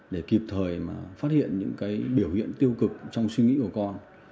để kịp thời mà phát hiện những biểu hiện tiêu cực trong suy nghĩ của con